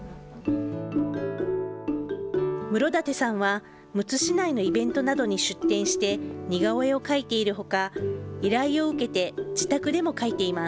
室舘さんはむつ市内のイベントなどに出店して、似顔絵を描いているほか、依頼を受けて、自宅でも描いています。